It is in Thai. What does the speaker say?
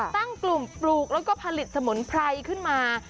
ตั้งกลุ่มปลูกแล้วก็ผลิตสมุนไพรขึ้นมา